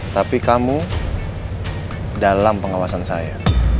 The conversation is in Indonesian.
tapi kamu dalam pengawasan saya